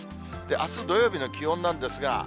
あす土曜日の気温なんですが。